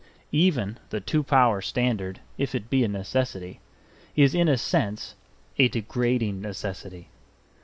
Even the two power standard, if it be a necessity, is in a sense a degrading necessity.